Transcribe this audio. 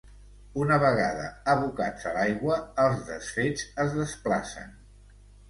Una vegada abocats a l'aigua, els desfets es desplacen.